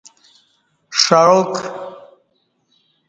ݜعاک